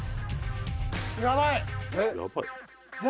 「やばい？」